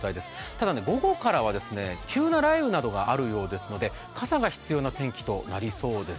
ただ午後からは急な雷雨などがあるようですので傘が必要な天気となりそうです。